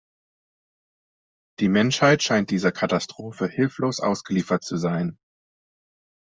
Die Menschheit scheint dieser Katastrophe hilflos ausgeliefert zu sein.